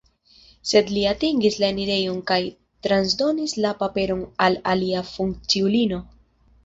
Sed li atingis la enirejon kaj transdonis la paperon al alia funkciulino.